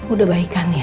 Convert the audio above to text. udah baik kan ya